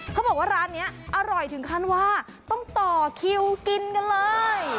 เขาบอกว่าร้านนี้อร่อยถึงขั้นว่าต้องต่อคิวกินกันเลย